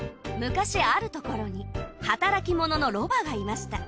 昔あるところに働き者のロバがいました。